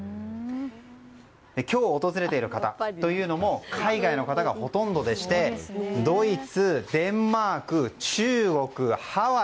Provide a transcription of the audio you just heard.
今日、訪れている方というのも海外の方がほとんどでしてドイツ、デンマーク、中国ハワイ